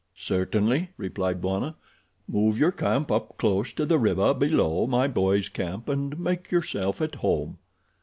"Certainly," replied Bwana. "Move your camp up close to the river below my boys' camp and make yourself at home."